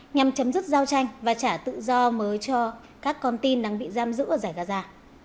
nhằm chấm dứt giao tranh và trả tự do mới cho các con tin đang bị giam giữ ở giải gaza